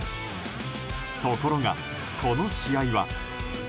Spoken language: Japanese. ところが、この試合は。